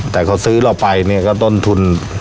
แต่เขาซื้อแล้วไปก็ต้นทุน